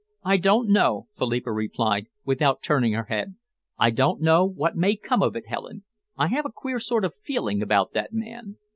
"I don't know," Philippa replied, without turning her head. "I don't know what may come of it, Helen. I have a queer sort of feeling about that man."